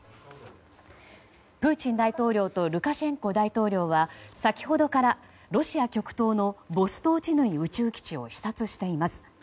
プーチン大統領とルカシェンコ大統領は先ほどからロシア極東のボストーチヌイ宇宙基地を視察しています。